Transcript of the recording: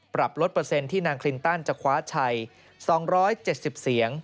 ปรับลดเปอร์เซ็นต์ที่นางคลินตันจะคว้าชัย๒๗๐เสียง